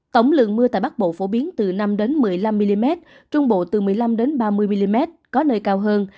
tổng lượng mưa tại bắc bộ phổ biến từ năm một mươi năm mm trung bộ từ một mươi năm ba mươi mm có nơi cao hơn